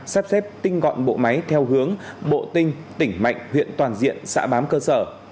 sắp xếp tinh gọn bộ máy theo hướng bộ tinh tỉnh mạnh huyện toàn diện xã bám cơ sở